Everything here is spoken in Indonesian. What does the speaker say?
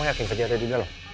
kamu yakin kejadiannya tidak lho